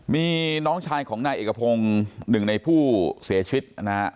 มีน้องชายของนายเอกพงศ์หนึ่งในผู้เสียชีวิตนะฮะ